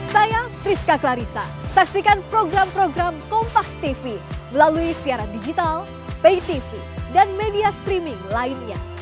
saya rizka klarisa saksikan program program kompastv melalui siaran digital paytv dan media streaming lainnya